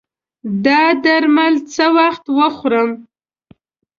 دا درمل څه وخت وخورم؟